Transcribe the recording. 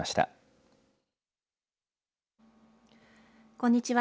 こんにちは。